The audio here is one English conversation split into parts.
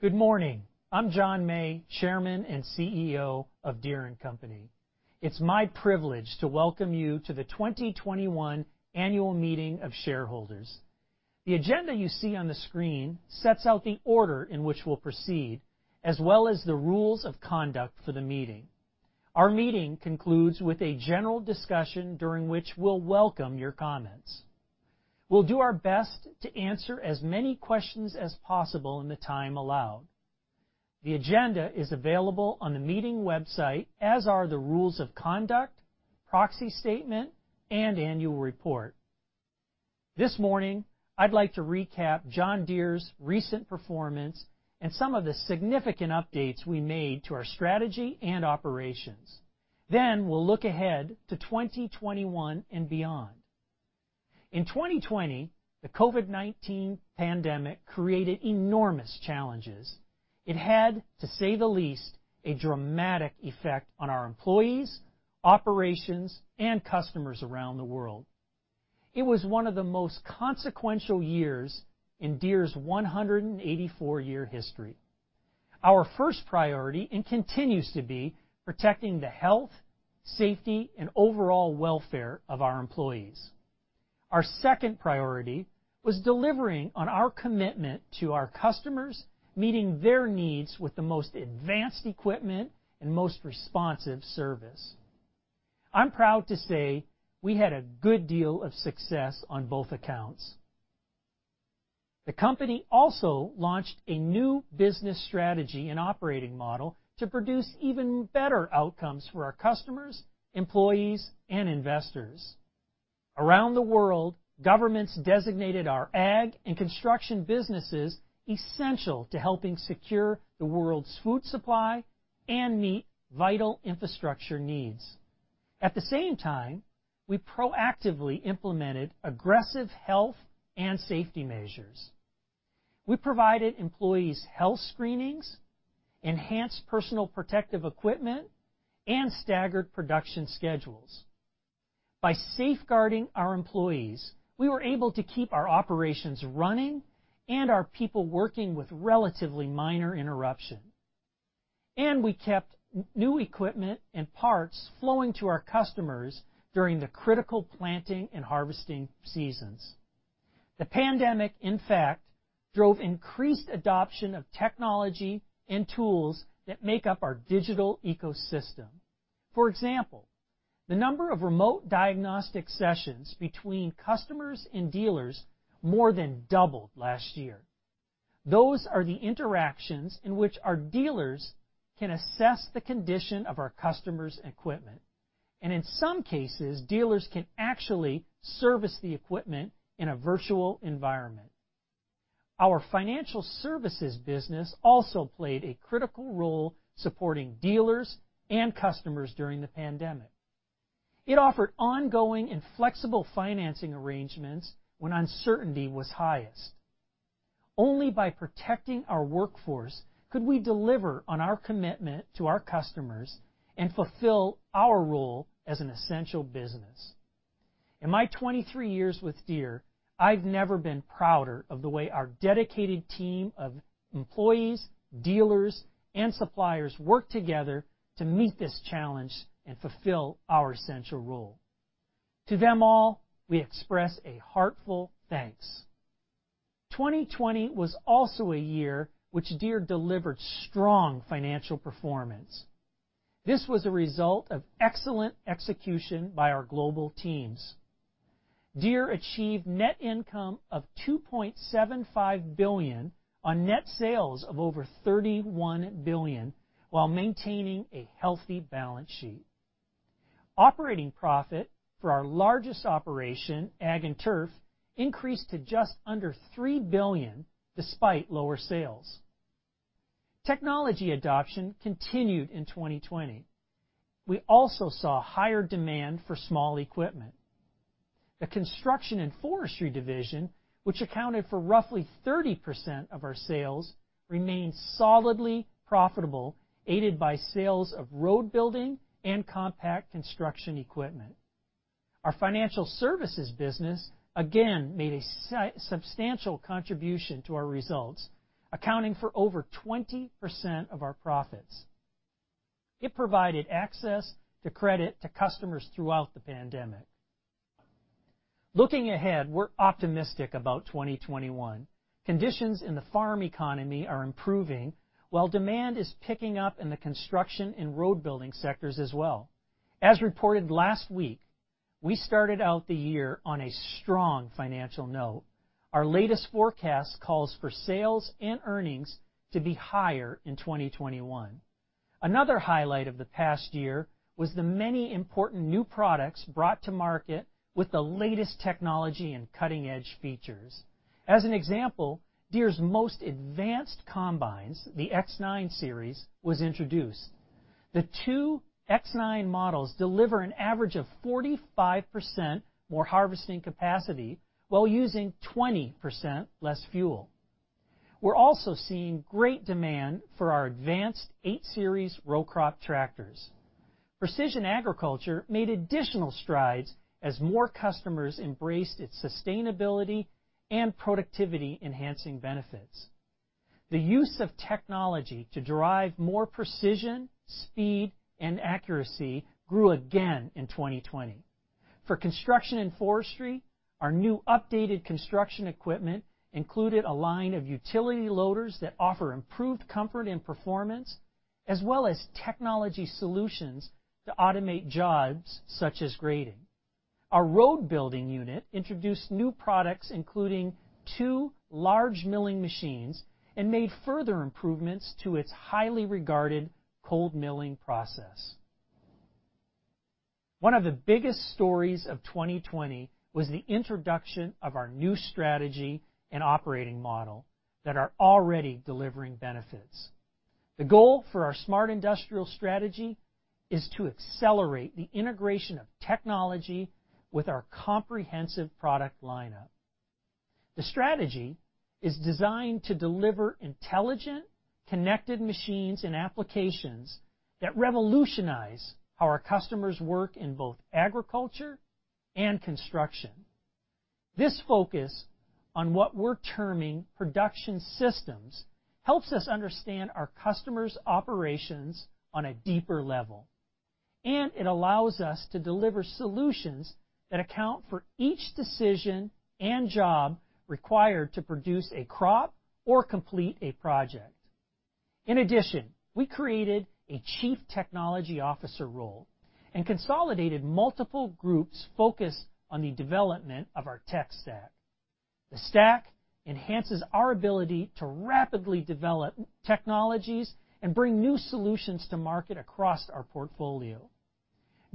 Good morning. I'm John May, Chairman and CEO of Deere & Company. It's my privilege to welcome you to the 2021 annual meeting of shareholders. The agenda you see on the screen sets out the order in which we'll proceed, as well as the rules of conduct for the meeting. Our meeting concludes with a general discussion, during which we'll welcome your comments. We'll do our best to answer as many questions as possible in the time allowed. The agenda is available on the meeting website, as are the rules of conduct, proxy statement, and annual report. This morning, I'd like to recap John Deere's recent performance and some of the significant updates we made to our strategy and operations. We'll look ahead to 2021 and beyond. In 2020, the COVID-19 pandemic created enormous challenges. It had, to say the least, a dramatic effect on our employees, operations, and customers around the world. It was one of the most consequential years in Deere's 184-year history. Our first priority, and continues to be, protecting the health, safety, and overall welfare of our employees. Our second priority was delivering on our commitment to our customers, meeting their needs with the most advanced equipment and most responsive service. I'm proud to say we had a good deal of success on both accounts. The company also launched a new business strategy and operating model to produce even better outcomes for our customers, employees, and investors. Around the world, governments designated our Ag and Construction businesses essential to helping secure the world's food supply and meet vital infrastructure needs. At the same time, we proactively implemented aggressive health and safety measures. We provided employees health screenings, enhanced personal protective equipment, and staggered production schedules. By safeguarding our employees, we were able to keep our operations running and our people working with relatively minor interruption. We kept new equipment and parts flowing to our customers during the critical planting and harvesting seasons. The pandemic, in fact, drove increased adoption of technology and tools that make up our digital ecosystem. For example, the number of remote diagnostic sessions between customers and dealers more than doubled last year. Those are the interactions in which our dealers can assess the condition of our customer's equipment. In some cases, dealers can actually service the equipment in a virtual environment. Our Financial Services business also played a critical role supporting dealers and customers during the pandemic. It offered ongoing and flexible financing arrangements when uncertainty was highest. Only by protecting our workforce could we deliver on our commitment to our customers and fulfill our role as an essential business. In my 23 years with Deere, I've never been prouder of the way our dedicated team of employees, dealers, and suppliers worked together to meet this challenge and fulfill our essential role. To them all, we express a heartfelt thanks. 2020 was also a year which Deere delivered strong financial performance. This was a result of excellent execution by our global teams. Deere achieved net income of $2.75 billion on net sales of over $31 billion while maintaining a healthy balance sheet. Operating profit for our largest operation, Ag & Turf, increased to just under $3 billion despite lower sales. Technology adoption continued in 2020. We also saw higher demand for small equipment. The Construction & Forestry division, which accounted for roughly 30% of our sales, remained solidly profitable, aided by sales of road building and compact construction equipment. Our Financial Services business again made a substantial contribution to our results, accounting for over 20% of our profits. It provided access to credit to customers throughout the pandemic. Looking ahead, we're optimistic about 2021. Conditions in the farm economy are improving while demand is picking up in the construction and road-building sectors as well. As reported last week, we started out the year on a strong financial note. Our latest forecast calls for sales and earnings to be higher in 2021. Another highlight of the past year was the many important new products brought to market with the latest technology and cutting-edge features. As an example, Deere's most advanced combines, the X9 series, was introduced. The two X9 models deliver an average of 45% more harvesting capacity while using 20% less fuel. We're also seeing great demand for our advanced 8 Series row crop tractors. Precision Agriculture made additional strides as more customers embraced its sustainability and productivity-enhancing benefits. The use of technology to drive more precision, speed, and accuracy grew again in 2020. For Construction & Forestry, our new updated construction equipment included a line of utility loaders that offer improved comfort and performance, as well as technology solutions to automate jobs such as grading. Our road building unit introduced new products, including two large milling machines, and made further improvements to its highly regarded cold milling process. One of the biggest stories of 2020 was the introduction of our new strategy and operating model that are already delivering benefits. The goal for our Smart Industrial strategy is to accelerate the integration of technology with our comprehensive product lineup. The strategy is designed to deliver intelligent, connected machines and applications that revolutionize how our customers work in both agriculture and construction. This focus on what we're terming production systems helps us understand our customers' operations on a deeper level, and it allows us to deliver solutions that account for each decision and job required to produce a crop or complete a project. In addition, we created a Chief Technology Officer role and consolidated multiple groups focused on the development of our tech stack. The stack enhances our ability to rapidly develop technologies and bring new solutions to market across our portfolio.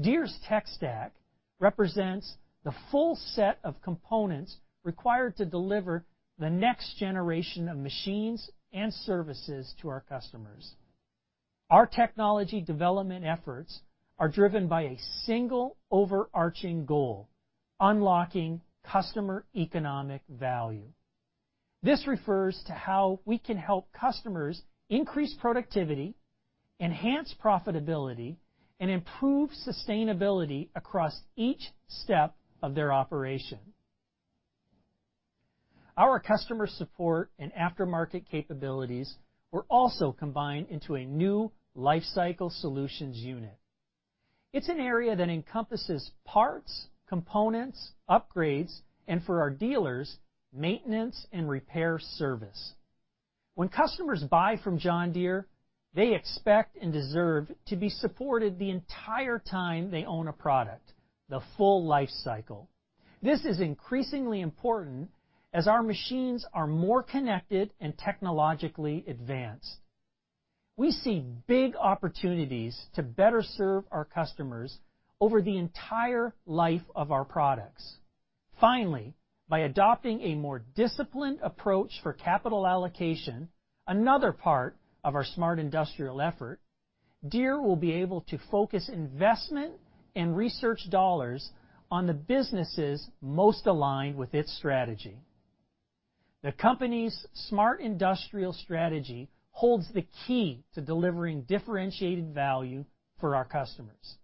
Deere's tech stack represents the full set of components required to deliver the next generation of machines and services to our customers. Our technology development efforts are driven by a single overarching goal, unlocking customer economic value. This refers to how we can help customers increase productivity, enhance profitability, and improve sustainability across each step of their operation. Our customer support and aftermarket capabilities were also combined into a new Lifecycle Solutions unit. It's an area that encompasses parts, components, upgrades, and for our dealers, maintenance and repair service. When customers buy from John Deere, they expect and deserve to be supported the entire time they own a product, the full life cycle. This is increasingly important as our machines are more connected and technologically advanced. We see big opportunities to better serve our customers over the entire life of our products. Finally, by adopting a more disciplined approach for capital allocation, another part of our Smart Industrial effort, Deere will be able to focus investment and research dollars on the businesses most aligned with its strategy. The company's Smart Industrial strategy holds the key to delivering differentiated value for our customers.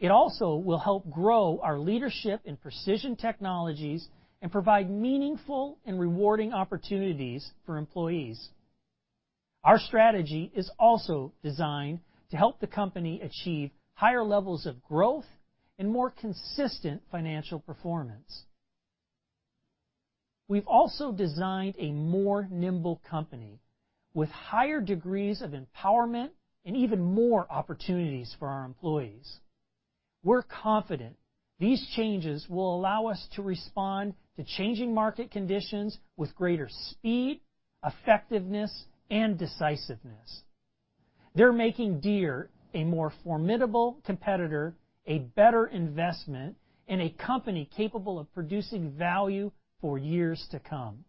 It also will help grow our leadership in precision technologies and provide meaningful and rewarding opportunities for employees. Our strategy is also designed to help the company achieve higher levels of growth and more consistent financial performance. We've also designed a more nimble company with higher degrees of empowerment and even more opportunities for our employees. We're confident these changes will allow us to respond to changing market conditions with greater speed, effectiveness, and decisiveness. They're making Deere a more formidable competitor, a better investment, and a company capable of producing value for years to come.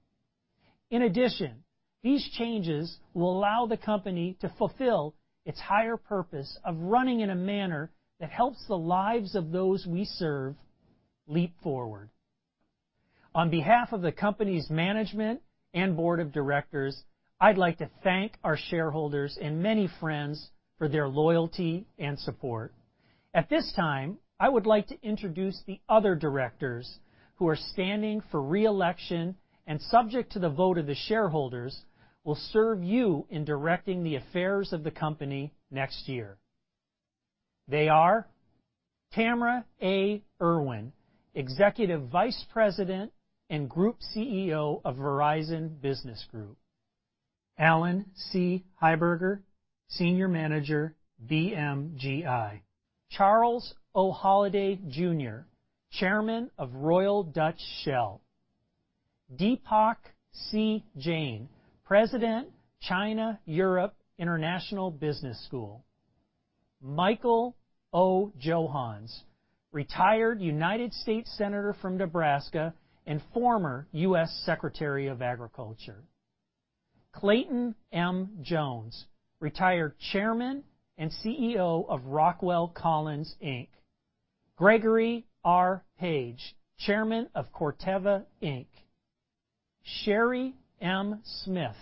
In addition, these changes will allow the company to fulfill its higher purpose of running in a manner that helps the lives of those we serve leap forward. On behalf of the company's Board of Directors, i'd like to thank our shareholders and many friends for their loyalty and support. At this time, I would like to introduce the other Directors who are standing for re-election and, subject to the vote of the shareholders, will serve you in directing the affairs of the company next year. They are Tamra A. Erwin, Executive Vice President and Group CEO of Verizon Business Group, Alan C. Heuberger, Senior Manager, BMGI, Charles O. Holliday, Jr., Chairman of Royal Dutch Shell, Dipak C. Jain, President, China Europe International Business School, Michael O. Johanns, retired United States Senator from Nebraska and former U.S. Secretary of Agriculture, Clayton M. Jones, retired Chairman and CEO of Rockwell Collins, Inc, Gregory R. Page, Chairman of Corteva, Inc, Sherry M. Smith,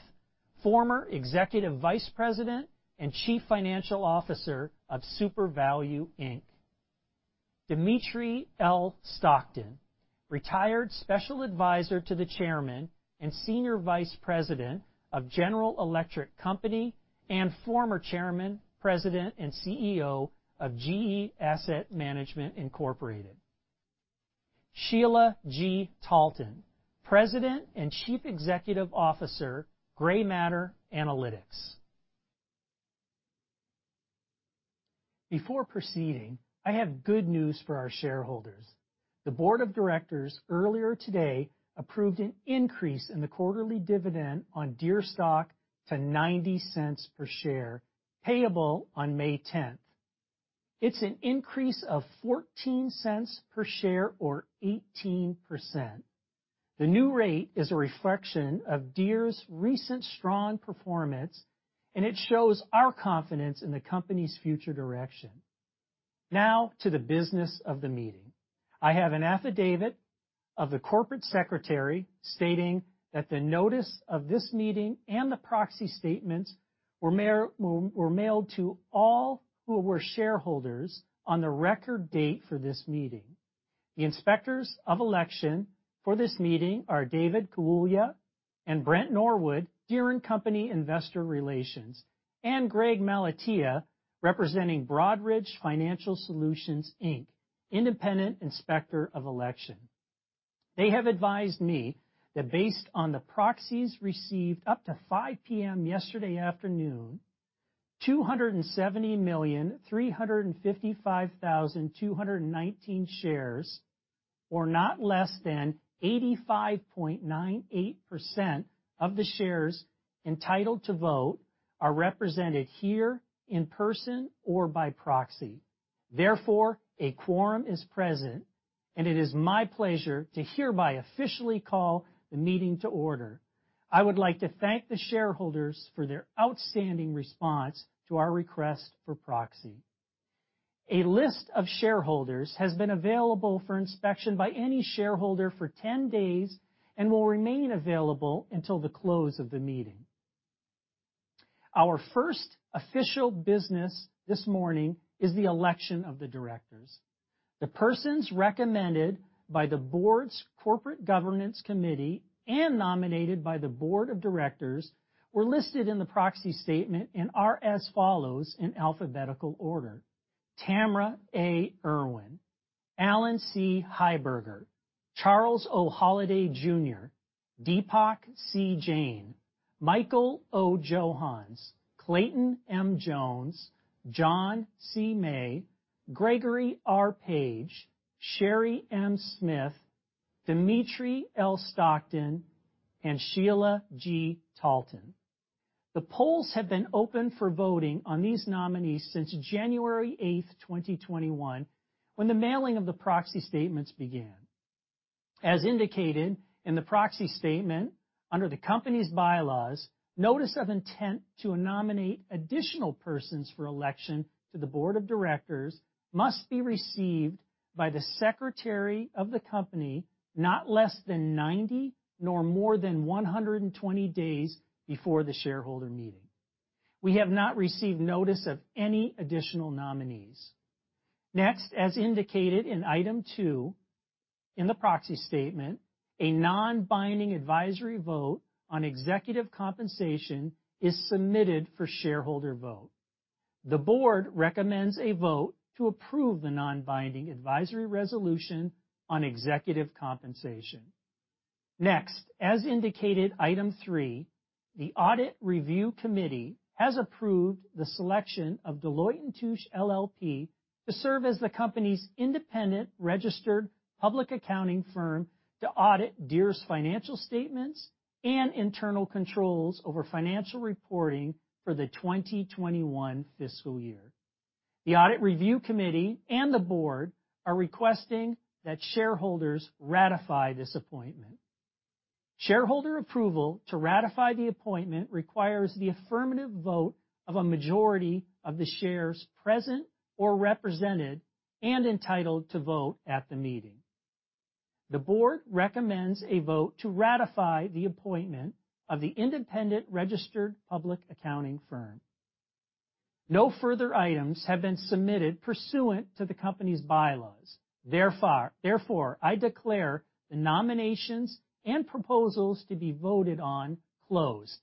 former Executive Vice President and Chief Financial Officer of SuperValu Inc, Dmitri L. Stockton, retired Special Advisor to the Chairman and Senior Vice President of General Electric Company, and former Chairman, President, and CEO of GE Asset Management Incorporated, Sheila G. Talton, President and Chief Executive Officer, Gray Matter Analytics. Before proceeding, I have good news for our shareholders. The Board of Directors earlier today approved an increase in the quarterly dividend on Deere's stock to $0.90/share, payable on May 10th. It's an increase of $0.14/share, or 18%. The new rate is a reflection of Deere's recent strong performance, and it shows our confidence in the company's future direction. Now to the business of the meeting. I have an affidavit of the Corporate Secretary stating that the notice of this meeting and the proxy statements were mailed to all who were shareholders on the record date for this meeting. The Inspectors of Election for this meeting are David Gulia and Brent Norwood, Deere & Company Investor Relations, and Greg Malatia, representing Broadridge Financial Solutions, Inc, independent Inspector of Election. They have advised me that based on the proxies received up to 5:00 P.M. yesterday afternoon, 270,355,219 shares, or not less than 85.98% of the shares entitled to vote, are represented here in person or by proxy. Therefore, a quorum is present, and it is my pleasure to hereby officially call the meeting to order. I would like to thank the shareholders for their outstanding response to our request for proxy. A list of shareholders has been available for inspection by any shareholder for 10 days and will remain available until the close of the meeting. Our first official business this morning is the election of the Directors. The persons recommended by the Board's Corporate Governance Committee and nominated Board of Directors were listed in the proxy statement and are as follows in alphabetical order. Tamra A. Erwin, Alan C. Heuberger, Charles O. Holliday, Jr., Dipak C. Jain, Michael O. Johanns, Clayton M. Jones, John C. May, Gregory R. Page, Sherry M. Smith, Dmitri L. Stockton, and Sheila G. Talton. The polls have been open for voting on these nominees since January 8th, 2021, when the mailing of the proxy statements began. As indicated in the proxy statement, under the company's bylaws, notice of intent to nominate additional persons for election to the Board of Directors must be received by the Secretary of the company not less than 90, nor more than 120 days before the shareholder meeting. We have not received notice of any additional nominees. Next, as indicated in item two in the proxy statement, a non-binding advisory vote on executive compensation is submitted for shareholder vote. The Board recommends a vote to approve the non-binding advisory resolution on executive compensation. Next, as indicated item three, the Audit Review Committee has approved the selection of Deloitte & Touche LLP to serve as the company's independent registered public accounting firm to audit Deere's financial statements and internal controls over financial reporting for the 2021 fiscal year. The Audit Review Committee and the Board are requesting that shareholders ratify this appointment. Shareholder approval to ratify the appointment requires the affirmative vote of a majority of the shares present or represented and entitled to vote at the meeting. The board recommends a vote to ratify the appointment of the independent registered public accounting firm. No further items have been submitted pursuant to the company's bylaws. Therefore, I declare the nominations and proposals to be voted on closed,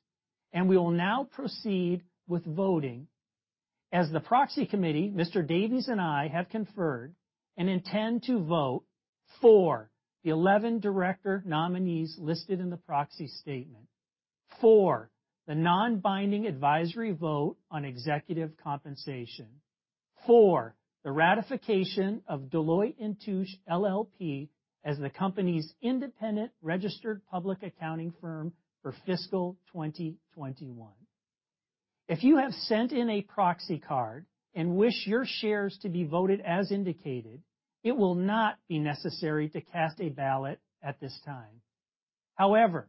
and we will now proceed with voting as the proxy committee, Mr. Davies and I have conferred and intend to vote for the 11 Director nominees listed in the proxy statement, for the non-binding advisory vote on executive compensation, for the ratification of Deloitte & Touche LLP as the company's independent registered public accounting firm for fiscal 2021. If you have sent in a proxy card and wish your shares to be voted as indicated, it will not be necessary to cast a ballot at this time. However,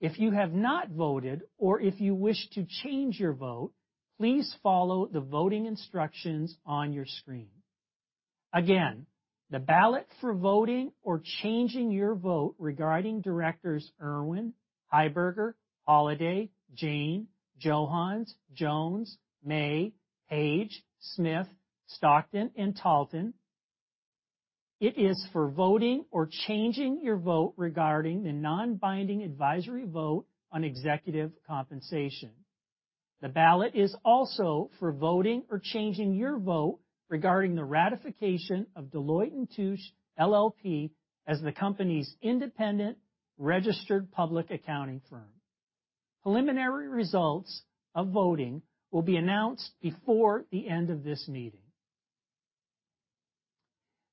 if you have not voted or if you wish to change your vote, please follow the voting instructions on your screen. The ballot for voting or changing your vote regarding Directors Erwin, Heuberger, Holliday, Jain, Johanns, Jones, May, Page, Smith, Stockton, and Talton. It is for voting or changing your vote regarding the non-binding advisory vote on executive compensation. The ballot is also for voting or changing your vote regarding the ratification of Deloitte & Touche LLP as the company's independent registered public accounting firm. Preliminary results of voting will be announced before the end of this meeting.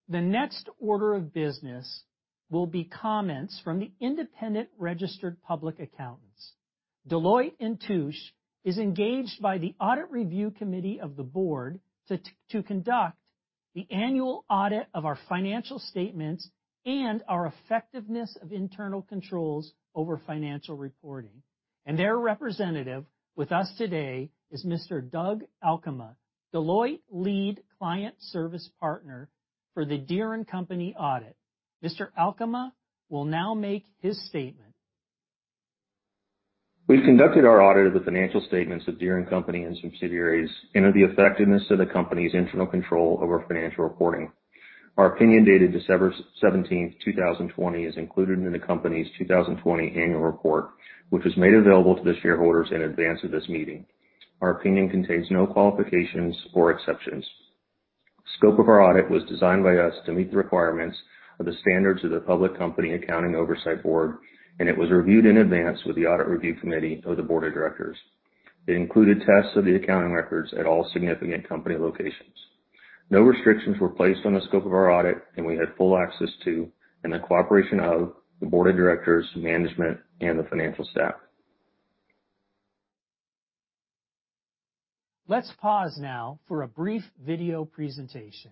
The next order of business will be comments from the independent registered public accountants. Deloitte & Touche is engaged by the Audit Review Committee of the board to conduct the annual audit of our financial statements and our effectiveness of internal controls over financial reporting. Their representative with us today is Mr. Doug Alkema, Deloitte Lead Client Service Partner for the Deere & Company audit. Mr. Alkema will now make his statement. We've conducted our audit of the financial statements of Deere & Company and subsidiaries into the effectiveness of the company's internal control over financial reporting. Our opinion, dated December 17th, 2020, is included in the company's 2020 annual report, which was made available to the shareholders in advance of this meeting. Our opinion contains no qualifications or exceptions. Scope of our audit was designed by us to meet the requirements of the standards of the Public Company Accounting Oversight Board, and it was reviewed in advance with the Audit Review Committee to the Board of Directors. it included tests of the accounting records at all significant company locations. No restrictions were placed on the scope of our audit, and we had full access to, and the cooperation of the Board of Directors, management, and the financial staff. Let's pause now for a brief video presentation.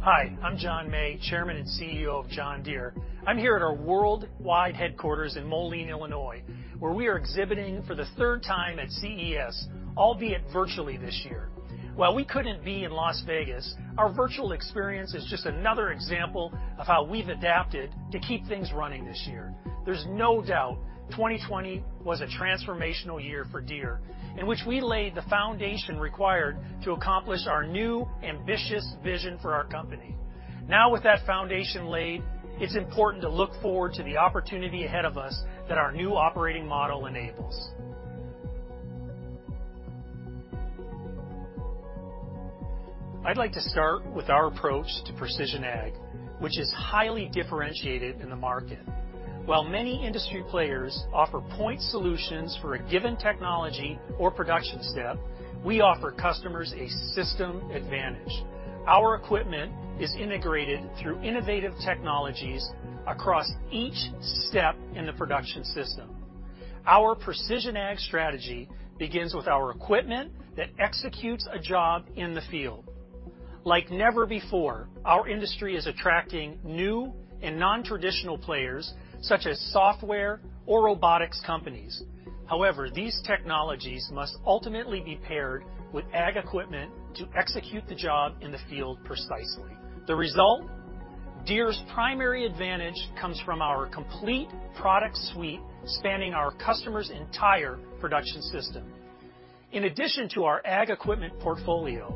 Hi, I'm John May, Chairman and CEO of John Deere. I'm here at our worldwide headquarters in Moline, Illinois, where we are exhibiting for the third time at CES, albeit virtually this year. While we couldn't be in Las Vegas, our virtual experience is just another example of how we've adapted to keep things running this year. There's no doubt 2020 was a transformational year for Deere, in which we laid the foundation required to accomplish our new ambitious vision for our company. Now, with that foundation laid, it's important to look forward to the opportunity ahead of us that our new operating model enables. I'd like to start with our approach to Precision Ag, which is highly differentiated in the market. While many industry players offer point solutions for a given technology or production step, we offer customers a system advantage. Our equipment is integrated through innovative technologies across each step in the production system. Our Precision Ag strategy begins with our equipment that executes a job in the field. Like never before, our industry is attracting new and non-traditional players, such as software or robotics companies. However, these technologies must ultimately be paired with ag equipment to execute the job in the field precisely. The result, Deere's primary advantage comes from our complete product suite spanning our customer's entire production system. In addition to our ag equipment portfolio,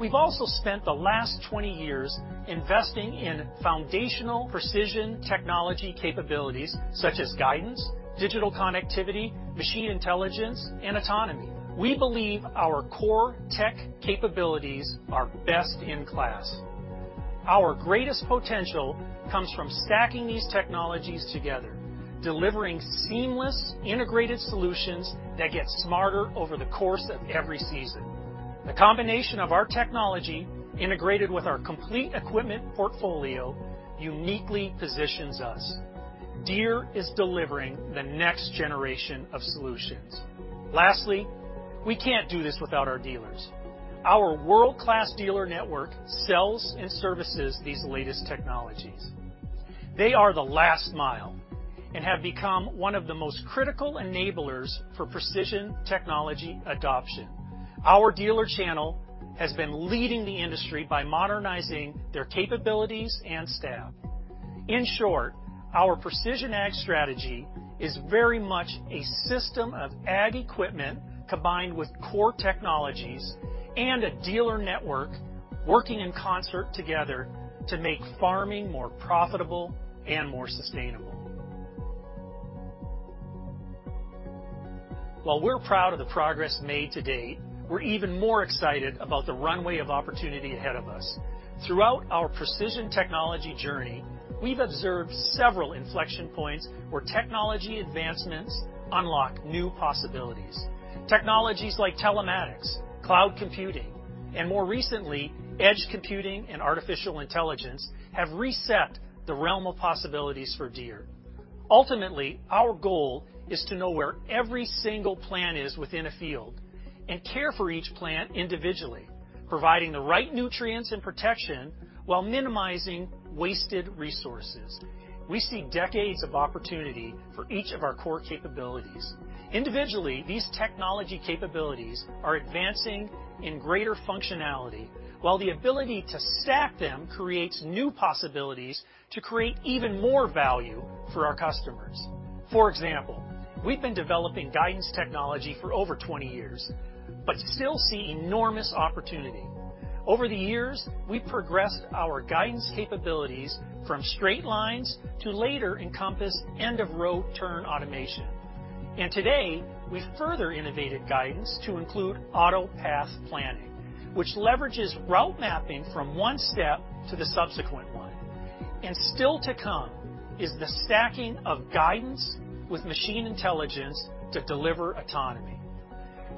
we've also spent the last 20 years investing in foundational precision technology capabilities such as guidance, digital connectivity, machine intelligence, and autonomy. We believe our core tech capabilities are best in class. Our greatest potential comes from stacking these technologies together, delivering seamless, integrated solutions that get smarter over the course of every season. The combination of our technology integrated with our complete equipment portfolio uniquely positions us. Deere is delivering the next generation of solutions. Lastly, we can't do this without our dealers. Our world-class dealer network sells and services these latest technologies. They are the last mile and have become one of the most critical enablers for precision technology adoption. Our dealer channel has been leading the industry by modernizing their capabilities and staff. In short, our Precision Ag strategy is very much a system of ag equipment combined with core technologies and a dealer network working in concert together to make farming more profitable and more sustainable. While we're proud of the progress made to date, we're even more excited about the runway of opportunity ahead of us. Throughout our precision technology journey, we've observed several inflection points where technology advancements unlock new possibilities. Technologies like telematics, cloud computing, and more recently, edge computing and artificial intelligence, have reset the realm of possibilities for Deere. Ultimately, our goal is to know where every single plant is within a field and care for each plant individually, providing the right nutrients and protection while minimizing wasted resources. We see decades of opportunity for each of our core capabilities. Individually, these technology capabilities are advancing in greater functionality, while the ability to stack them creates new possibilities to create even more value for our customers. For example, we've been developing guidance technology for over 20 years, but still see enormous opportunity. Over the years, we've progressed our guidance capabilities from straight lines to later encompass end-of-row turn automation. Today, we've further innovated guidance to include AutoPath planning, which leverages route mapping from one step to the subsequent one. Still to come is the stacking of guidance with machine intelligence to deliver autonomy.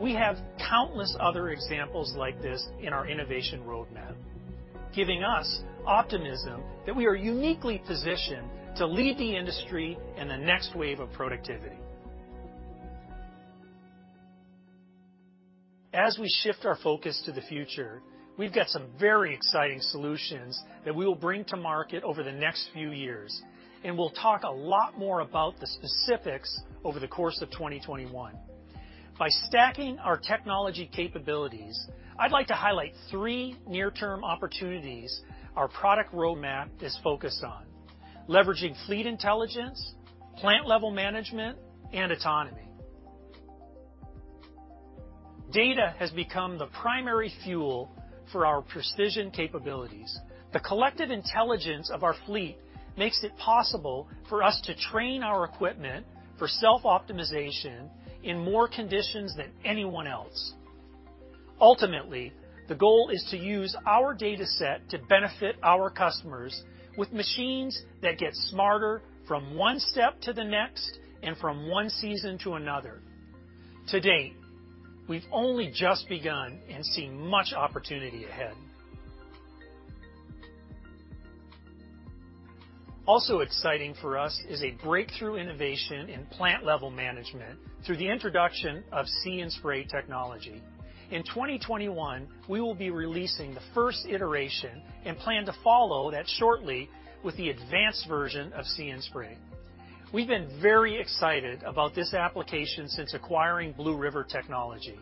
We have countless other examples like this in our innovation roadmap, giving us optimism that we are uniquely positioned to lead the industry in the next wave of productivity. As we shift our focus to the future, we've got some very exciting solutions that we will bring to market over the next few years, and we'll talk a lot more about the specifics over the course of 2021. By stacking our technology capabilities, I'd like to highlight three near-term opportunities our product roadmap is focused on: leveraging fleet intelligence, plant-level management, and autonomy. Data has become the primary fuel for our precision capabilities. The collective intelligence of our fleet makes it possible for us to train our equipment for self-optimization in more conditions than anyone else. Ultimately, the goal is to use our data set to benefit our customers with machines that get smarter from one step to the next and from one season to another. To date, we've only just begun and see much opportunity ahead. Also exciting for us is a breakthrough innovation in plant-level management through the introduction of See & Spray technology. In 2021, we will be releasing the first iteration and plan to follow that shortly with the advanced version of See & Spray. We've been very excited about this application since acquiring Blue River Technology.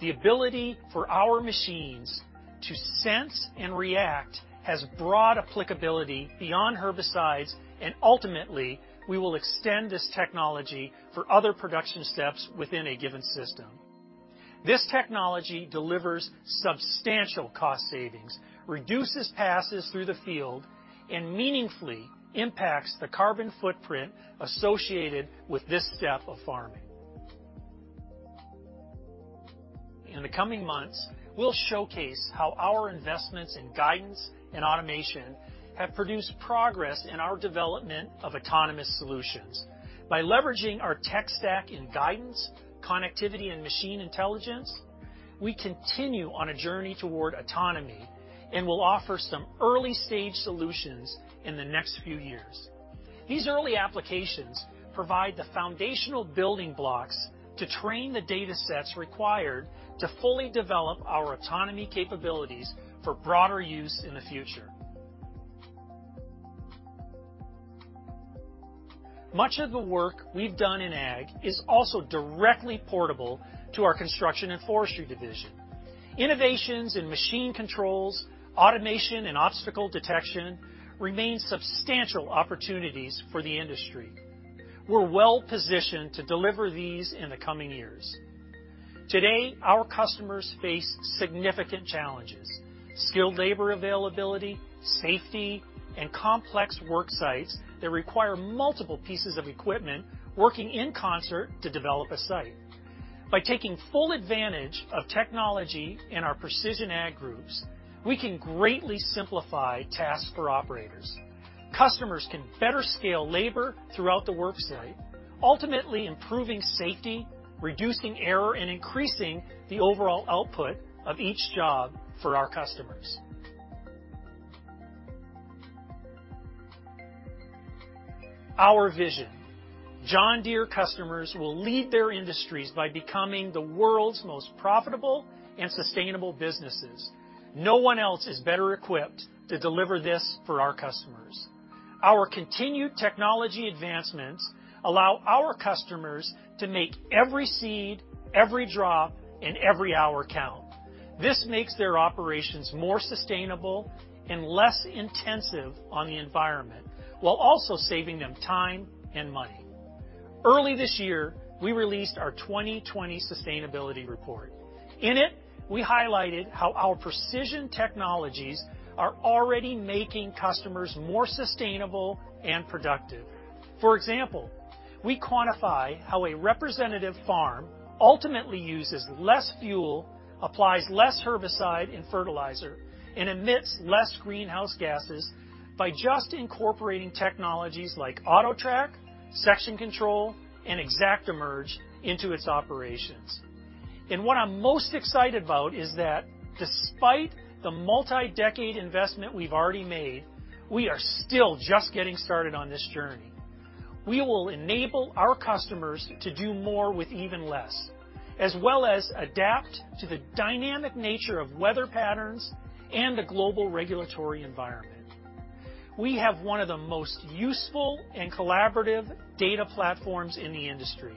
The ability for our machines to sense and react has broad applicability beyond herbicides, and ultimately, we will extend this technology for other production steps within a given system. This technology delivers substantial cost savings, reduces passes through the field, and meaningfully impacts the carbon footprint associated with this step of farming. In the coming months, we'll showcase how our investments in guidance and automation have produced progress in our development of autonomous solutions. By leveraging our tech stack in guidance, connectivity, and machine intelligence, we continue on a journey toward autonomy and will offer some early-stage solutions in the next few years. These early applications provide the foundational building blocks to train the data sets required to fully develop our autonomy capabilities for broader use in the future. Much of the work we've done in Ag is also directly portable to our Construction & Forestry division. Innovations in machine controls, automation, and obstacle detection remain substantial opportunities for the industry. We're well-positioned to deliver these in the coming years. Today, our customers face significant challenges. Skilled labor availability, safety, and complex work sites that require multiple pieces of equipment working in concert to develop a site. By taking full advantage of technology and our Precision Ag groups, we can greatly simplify tasks for operators. Customers can better scale labor throughout the work site, ultimately improving safety, reducing error, and increasing the overall output of each job for our customers. Our vision, John Deere customers will lead their industries by becoming the world's most profitable and sustainable businesses. No one else is better equipped to deliver this for our customers. Our continued technology advancements allow our customers to make every seed, every drop, and every hour count. This makes their operations more sustainable and less intensive on the environment, while also saving them time and money. Early this year, we released our 2020 Sustainability Report. In it, we highlighted how our precision technologies are already making customers more sustainable and productive. For example, we quantify how a representative farm ultimately uses less fuel, applies less herbicide and fertilizer, and emits less greenhouse gases by just incorporating technologies like AutoTrac, Section Control, and ExactEmerge into its operations. What I'm most excited about is that despite the multi-decade investment we've already made, we are still just getting started on this journey. We will enable our customers to do more with even less, as well as adapt to the dynamic nature of weather patterns and the global regulatory environment. We have one of the most useful and collaborative data platforms in the industry,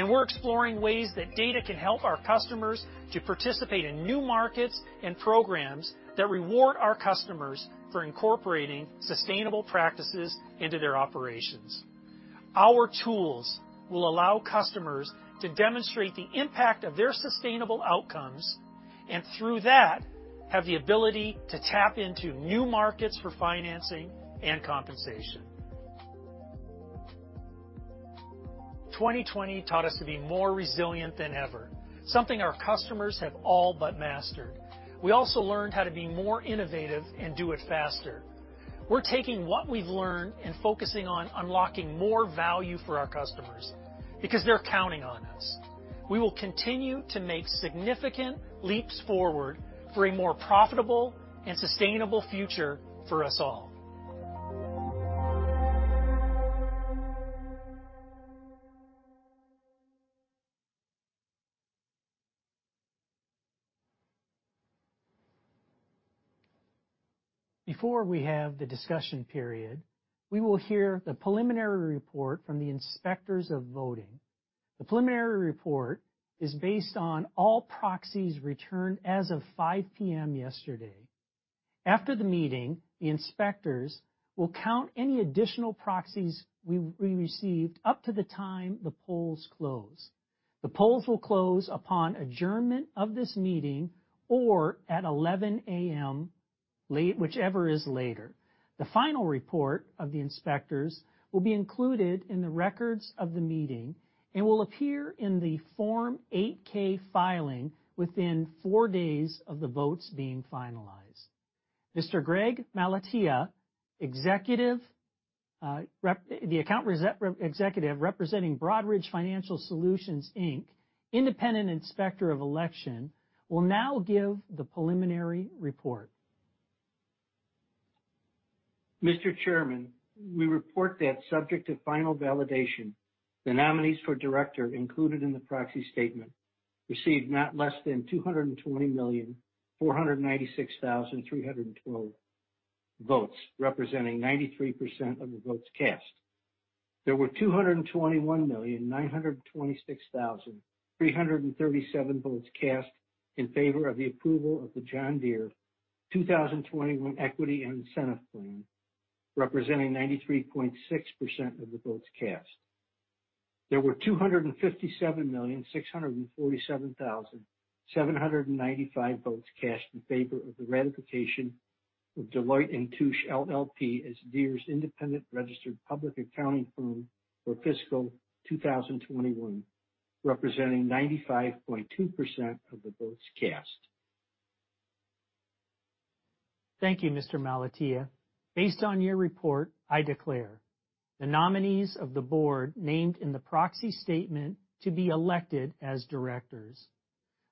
we're exploring ways that data can help our customers to participate in new markets and programs that reward our customers for incorporating sustainable practices into their operations. Our tools will allow customers to demonstrate the impact of their sustainable outcomes, and through that, have the ability to tap into new markets for financing and compensation. 2020 taught us to be more resilient than ever, something our customers have all but mastered. We also learned how to be more innovative and do it faster. We're taking what we've learned and focusing on unlocking more value for our customers because they're counting on us. We will continue to make significant leaps forward for a more profitable and sustainable future for us all. Before we have the discussion period, we will hear the preliminary report from the Inspectors of Voting. The preliminary report is based on all proxies returned as of 5:00 P.M. yesterday. After the meeting, the inspectors will count any additional proxies we received up to the time the polls close. The polls will close upon adjournment of this meeting or at 11:00 A.M., whichever is later. The final report of the inspectors will be included in the records of the meeting and will appear in the Form 8-K filing within four days of the votes being finalized. Mr. Greg Malatia, the Account Executive representing Broadridge Financial Solutions, Inc, independent Inspector of Election, will now give the preliminary report. Mr. Chairman, we report that subject to final validation, the nominees for Director included in the proxy statement received not less than 220,496,312 votes, representing 93% of the votes cast. There were 221,926,337 votes cast in favor of the approval of the John Deere 2021 Equity Incentive Plan, representing 93.6% of the votes cast. There were 257,647,795 votes cast in favor of the ratification of Deloitte & Touche LLP as Deere's independent registered public accounting firm for fiscal 2021, representing 95.2% of the votes cast. Thank you, Mr. Malatia. Based on your report, I declare the nominees of the Board named in the proxy statement to be elected as Directors.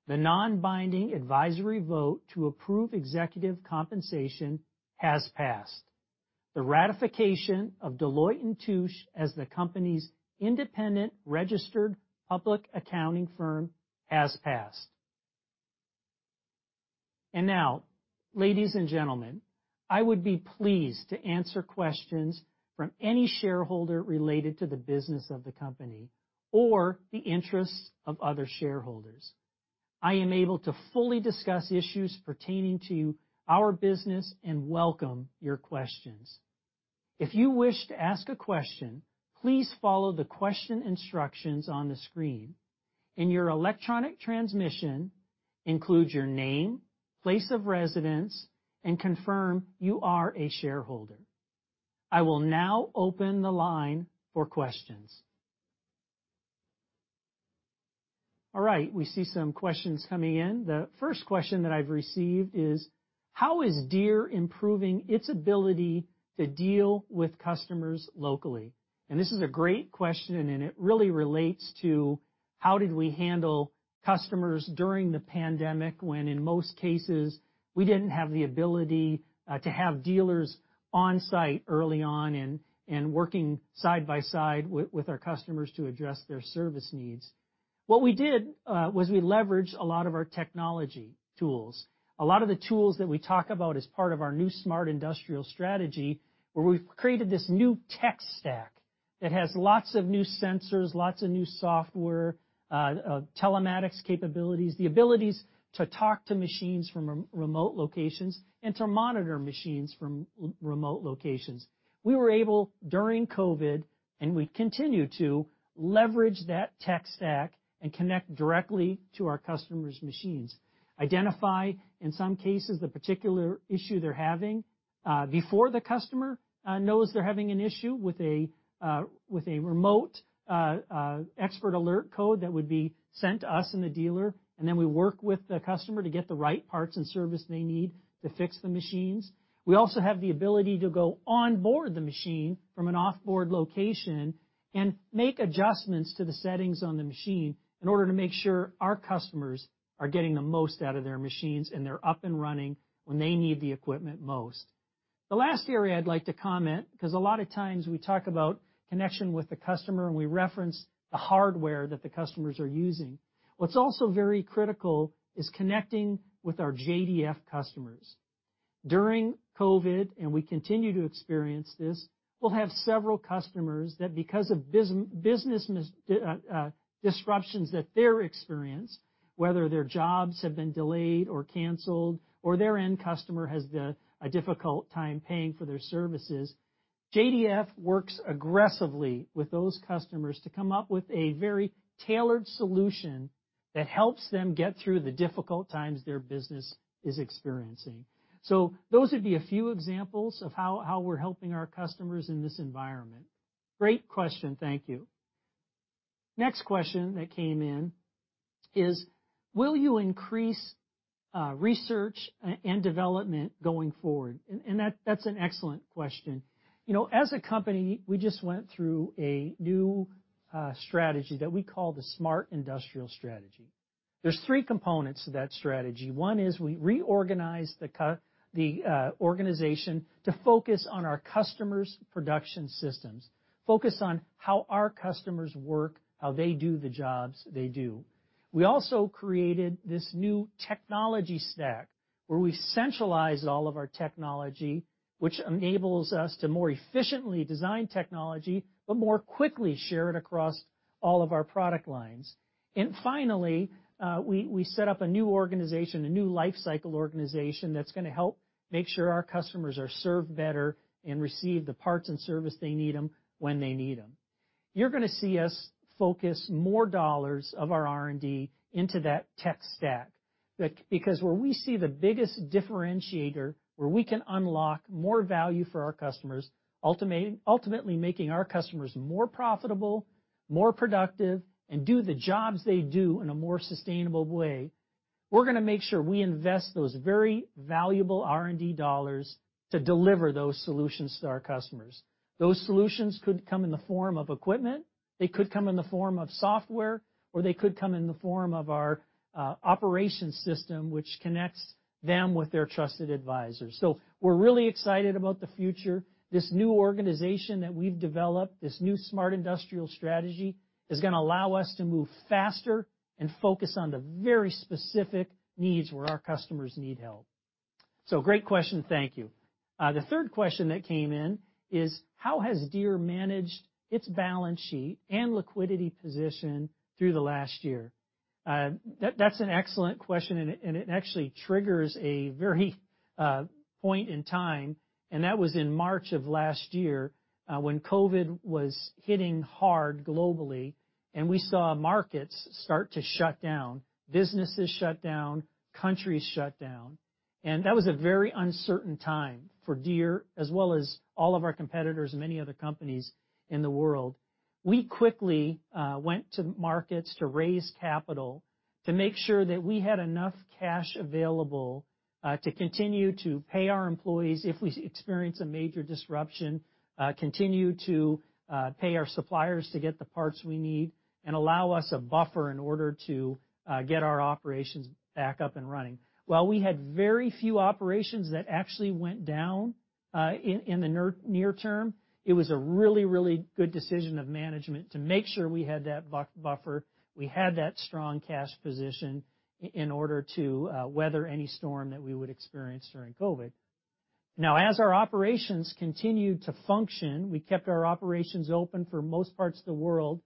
The non-binding advisory vote to approve executive compensation has passed. The ratification of Deloitte & Touche as the company's independent registered public accounting firm has passed. Now, ladies and gentlemen, I would be pleased to answer questions from any shareholder related to the business of the company or the interests of other shareholders. I am able to fully discuss issues pertaining to our business and welcome your questions. If you wish to ask a question, please follow the question instructions on the screen. In your electronic transmission, include your name, place of residence, and confirm you are a shareholder. I will now open the line for questions. All right. We see some questions coming in. The first question that I've received is, "How is Deere improving its ability to deal with customers locally?" This is a great question, and it really relates to how did we handle customers during the pandemic when, in most cases, we didn't have the ability to have dealers on-site early on and working side by side with our customers to address their service needs. What we did was we leveraged a lot of our technology tools. A lot of the tools that we talk about as part of our new Smart Industrial strategy, where we've created this new tech stack that has lots of new sensors, lots of new software, telematics capabilities, the abilities to talk to machines from remote locations and to monitor machines from remote locations. We were able, during COVID, and we continue to leverage that tech stack and connect directly to our customers' machines, identify, in some cases, the particular issue they're having. Before the customer knows they're having an issue with a remote Expert Alert code that would be sent to us and the dealer, and then we work with the customer to get the right parts and service they need to fix the machines. We also have the ability to go onboard the machine from an off-board location and make adjustments to the settings on the machine in order to make sure our customers are getting the most out of their machines, and they're up and running when they need the equipment most. The last area I'd like to comment, because a lot of times we talk about connection with the customer, and we reference the hardware that the customers are using. What's also very critical is connecting with our JDF customers. During COVID, and we continue to experience this, we'll have several customers that because of business disruptions that they're experienced, whether their jobs have been delayed or canceled, or their end customer has a difficult time paying for their services, JDF works aggressively with those customers to come up with a very tailored solution that helps them get through the difficult times their business is experiencing. Those would be a few examples of how we're helping our customers in this environment. Great question, thank you. Next question that came in is, "Will you increase research and development going forward?" That's an excellent question. As a company, we just went through a new strategy that we call the Smart Industrial strategy. There's three components to that strategy. One is we reorganized the organization to focus on our customers' production systems, focus on how our customers work, how they do the jobs they do. We also created this new technology stack, where we centralize all of our technology, which enables us to more efficiently design technology, but more quickly share it across all of our product lines. Finally, we set up a new organization, a new lifecycle organization that's going to help make sure our customers are served better and receive the parts and service they need when they need them. You're going to see us focus more dollars of our R&D into that tech stack. Where we see the biggest differentiator, where we can unlock more value for our customers, ultimately making our customers more profitable, more productive, and do the jobs they do in a more sustainable way. We're going to make sure we invest those very valuable R&D dollars to deliver those solutions to our customers. Those solutions could come in the form of equipment, they could come in the form of software, or they could come in the form of our operations system, which connects them with their trusted advisors. We're really excited about the future. This new organization that we've developed, this new Smart Industrial strategy, is going to allow us to move faster and focus on the very specific needs where our customers need help. Great question, thank you. The third question that came in is, "How has Deere managed its balance sheet and liquidity position through the last year?" That's an excellent question, and it actually triggers a very point in time, and that was in March of last year, when COVID was hitting hard globally, and we saw markets start to shut down, businesses shut down, countries shut down. That was a very uncertain time for Deere, as well as all of our competitors and many other companies in the world. We quickly went to markets to raise capital to make sure that we had enough cash available to continue to pay our employees if we experience a major disruption, continue to pay our suppliers to get the parts we need, and allow us a buffer in order to get our operations back up and running. While we had very few operations that actually went down in the near term, it was a really good decision of management to make sure we had that buffer, we had that strong cash position in order to weather any storm that we would experience during COVID. As our operations continued to function, we kept our operations open for most parts of the world.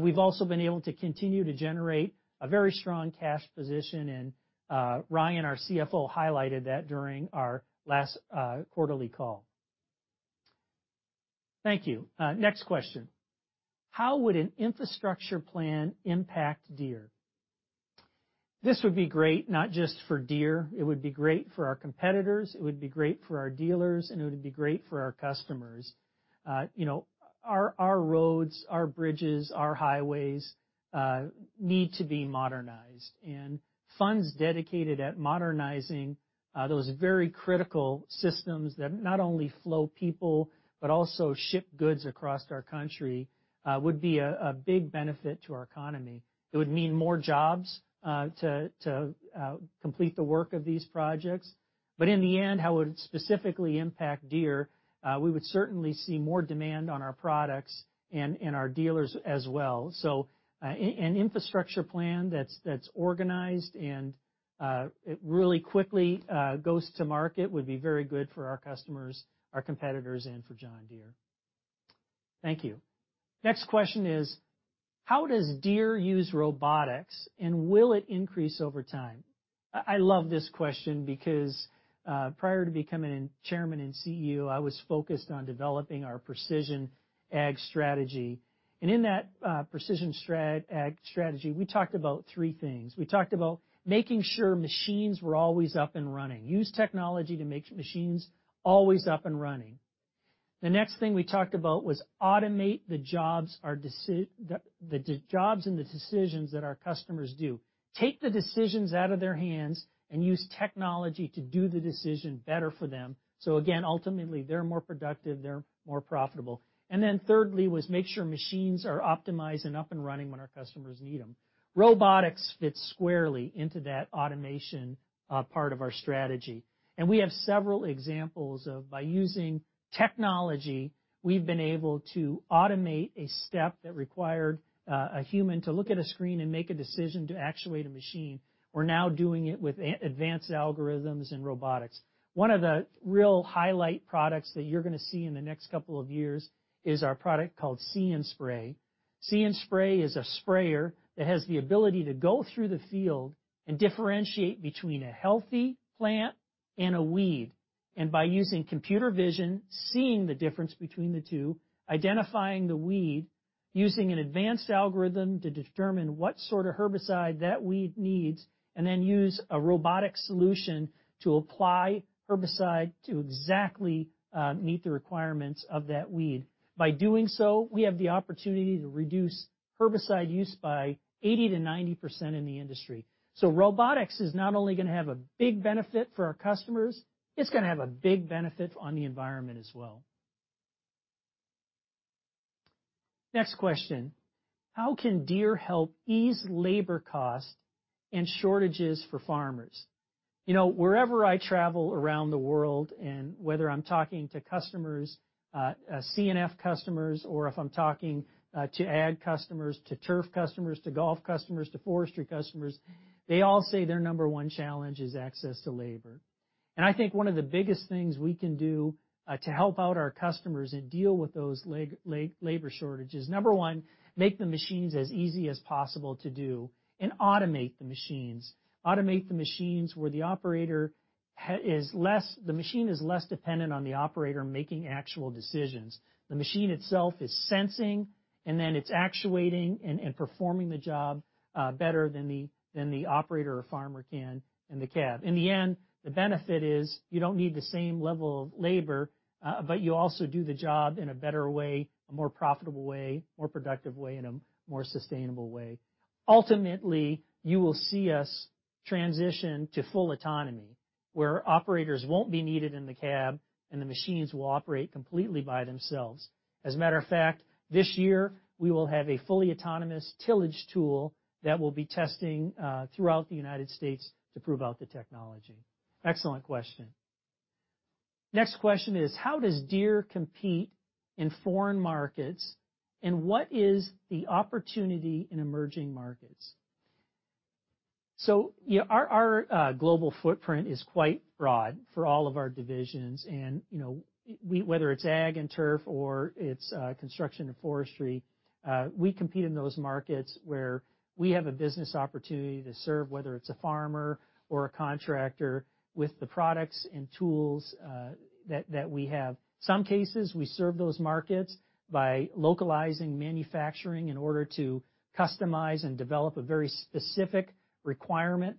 We've also been able to continue to generate a very strong cash position, and Ryan, our CFO, highlighted that during our last quarterly call. Thank you. Next question. "How would an infrastructure plan impact Deere?" This would be great, not just for Deere. It would be great for our competitors, it would be great for our dealers, and it would be great for our customers. Our roads, our bridges, our highways need to be modernized. Funds dedicated at modernizing those very critical systems that not only flow people but also ship goods across our country would be a big benefit to our economy. It would mean more jobs to complete the work of these projects. In the end, how it would specifically impact Deere, we would certainly see more demand on our products and our dealers as well. An infrastructure plan that is organized and it really quickly goes to market would be very good for our customers, our competitors, and for John Deere. Thank you. Next question is, "How does Deere use robotics, and will it increase over time?" I love this question because prior to becoming Chairman and CEO, I was focused on developing our Precision Ag strategy. In that Precision Ag strategy, we talked about three things. We talked about making sure machines were always up and running. Use technology to make machines always up and running. The next thing we talked about was automate the jobs and the decisions that our customers do. Take the decisions out of their hands and use technology to do the decision better for them. Again, ultimately, they're more productive, they're more profitable. Thirdly was make sure machines are optimized and up and running when our customers need them. Robotics fits squarely into that automation part of our strategy. We have several examples of by using technology, we've been able to automate a step that required a human to look at a screen and make a decision to actuate a machine. We're now doing it with advanced algorithms and robotics. One of the real highlight products that you're going to see in the next couple of years is our product called See & Spray. See & Spray is a sprayer that has the ability to go through the field and differentiate between a healthy plant and a weed. By using computer vision, seeing the difference between the two, identifying the weed, using an advanced algorithm to determine what sort of herbicide that weed needs, and then use a robotic solution to apply herbicide to exactly meet the requirements of that weed. By doing so, we have the opportunity to reduce herbicide use by 80%-90% in the industry. Robotics is not only going to have a big benefit for our customers, it's going to have a big benefit on the environment as well. Next question: How can Deere help ease labor cost and shortages for farmers? Wherever I travel around the world, whether I'm talking to customers, C&F customers, or if I'm talking to ag customers, to turf customers, to golf customers, to forestry customers, they all say their number one challenge is access to labor. I think one of the biggest things we can do to help out our customers and deal with those labor shortages, number one, make the machines as easy as possible to do and automate the machines. Automate the machines where the machine is less dependent on the operator making actual decisions. The machine itself is sensing, and then it's actuating and performing the job better than the operator or farmer can in the cab. In the end, the benefit is you don't need the same level of labor, but you also do the job in a better way, a more profitable way, more productive way, and a more sustainable way. Ultimately, you will see us transition to full autonomy, where operators won't be needed in the cab and the machines will operate completely by themselves. As a matter of fact, this year, we will have a fully autonomous tillage tool that we'll be testing throughout the United States to prove out the technology. Excellent question. Next question is, how does Deere compete in foreign markets, and what is the opportunity in emerging markets? Our global footprint is quite broad for all of our divisions, and whether it's Ag & Turf or it's Construction & Forestry, we compete in those markets where we have a business opportunity to serve, whether it's a farmer or a contractor, with the products and tools that we have. In some cases, we serve those markets by localizing manufacturing in order to customize and develop a very specific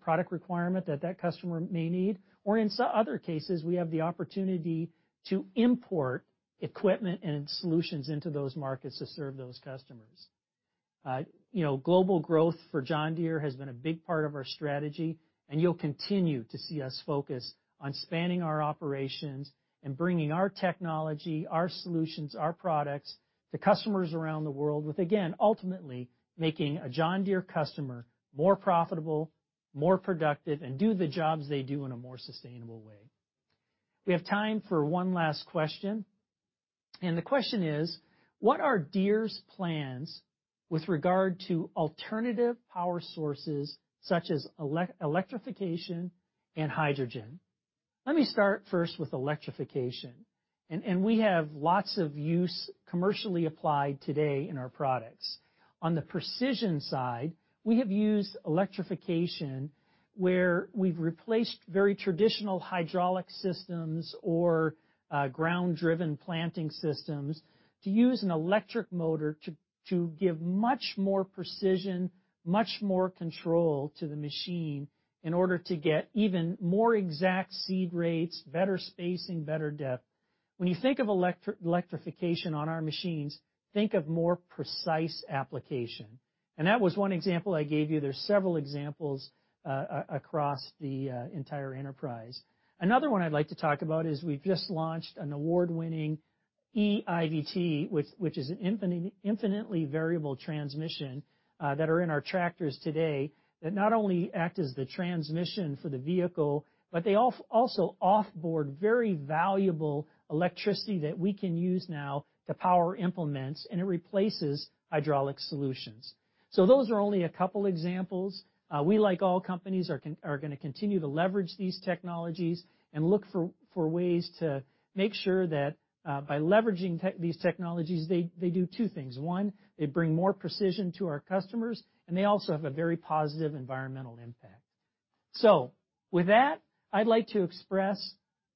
product requirement that that customer may need, or in other cases, we have the opportunity to import equipment and solutions into those markets to serve those customers. Global growth for John Deere has been a big part of our strategy, and you'll continue to see us focus on spanning our operations and bringing our technology, our solutions, our products to customers around the world with, again, ultimately making a John Deere customer more profitable, more productive, and do the jobs they do in a more sustainable way. We have time for one last question. The question is, what are Deere's plans with regard to alternative power sources such as electrification and hydrogen? Let me start first with electrification. We have lots of use commercially applied today in our products. On the Precision side, we have used electrification where we've replaced very traditional hydraulic systems or ground-driven planting systems to use an electric motor to give much more precision, much more control to the machine in order to get even more exact seed rates, better spacing, better depth. When you think of electrification on our machines, think of more precise application. That was one example I gave you. There's several examples across the entire enterprise. Another one I'd like to talk about is we've just launched an award-winning eIVT, which is an infinitely variable transmission, that are in our tractors today that not only act as the transmission for the vehicle, but they also off-board very valuable electricity that we can use now to power implements, and it replaces hydraulic solutions. Those are only a couple examples. We, like all companies, are going to continue to leverage these technologies and look for ways to make sure that by leveraging these technologies, they do two things. One, they bring more precision to our customers, and they also have a very positive environmental impact. With that, I'd like to express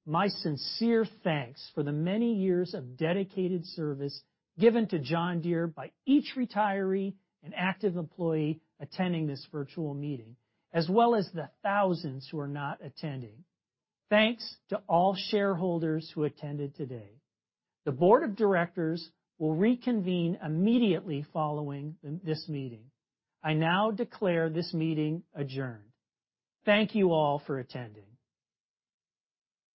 my sincere thanks for the many years of dedicated service given to John Deere by each retiree and active employee attending this virtual meeting, as well as the thousands who are not attending. Thanks to all shareholders who attended today. The Board of Directors will reconvene immediately following this meeting. I now declare this meeting adjourned. Thank you all for attending.